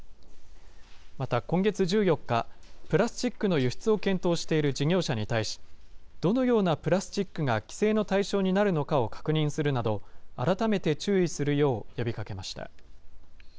また今月１４日、プラスチックの輸出を検討している事業者に対し、どのようなプラスチックが規制の対象になるのかを確認するなど、改めて注意するよう呼びかけました。